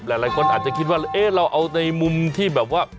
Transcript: หลายคนอาจจะคิดว่าเอ๊ะเราเอาในมุมที่แบบว่า